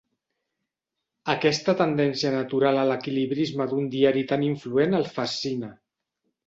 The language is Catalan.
Aquesta tendència natural a l'equilibrisme d'un diari tan influent el fascina.